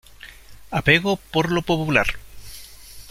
Apego por lo popular.